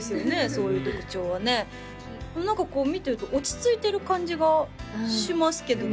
そういう特長はね何かこう見てると落ち着いてる感じがしますけどね